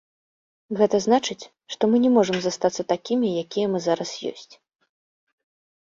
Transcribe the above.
Гэта значыць, што мы не можам застацца такімі, якія мы зараз ёсць.